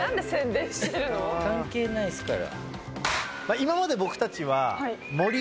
関係ないですから。